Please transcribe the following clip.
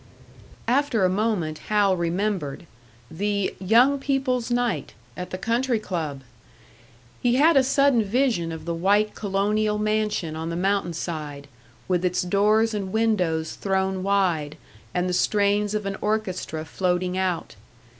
After a moment Hal remembered the "Young People's Night" at the country club! He had a sudden vision of the white colonial mansion on the mountain side, with its doors and windows thrown wide, and the strains of an orchestra floating out.